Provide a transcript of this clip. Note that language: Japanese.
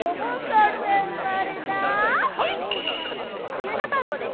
ゆうなたろうです。